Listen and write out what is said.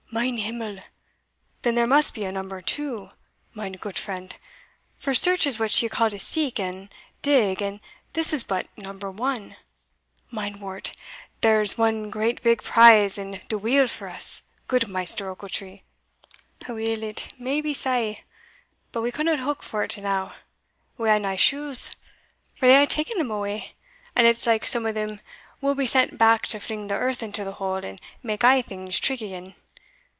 Mein himmel! then there must be a number two, mein goot friend: for search is what you call to seek and dig, and this is but number one! Mine wort, there is one great big prize in de wheel for us, goot Maister Ochiltree." "Aweel, it may be sae; but we canna howk fort enow we hae nae shules, for they hae taen them a' awa and it's like some o' them will be sent back to fling the earth into the hole, and mak a' things trig again.